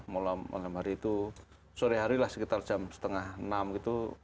malam malam hari itu sore hari lah sekitar jam setengah enam gitu